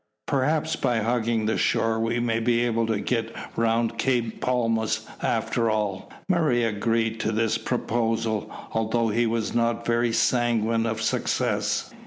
Perhaps by hugging the shore we may be able to get round Cape Palmas after all." Murray agreed to this proposal, although he was not very sanguine of success.